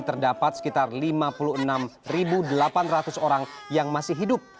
terdapat sekitar lima puluh enam delapan ratus orang yang masih hidup